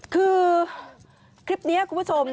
คือคลิปนี้คุณผู้ชม